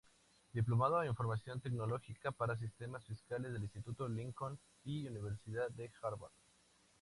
Diplomado en Información Tecnológica para Sistemas Fiscales del Instituto Lincoln y Universidad de Harvard.